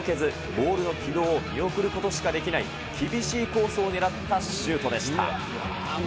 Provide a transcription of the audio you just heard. キーパー一歩も動けず、ボールの軌道を見送ることしかできない、厳しいコースを狙ったシュートでした。